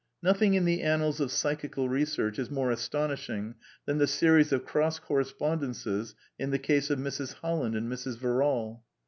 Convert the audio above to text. Nothing in the annals of Psychical Research is more astonishing than the series of cross correspond ences in the case of Mrs. Holland and Mrs. Verrall.